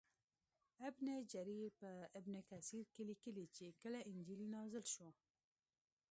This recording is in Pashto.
ابن جریر په ابن کثیر کې لیکلي چې کله انجیل نازل شو.